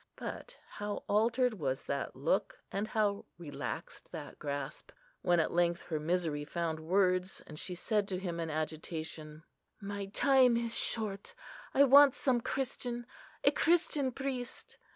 But how altered was that look, and how relaxed that grasp, when at length her misery found words, and she said to him in agitation, "My time is short: I want some Christian, a Christian priest!"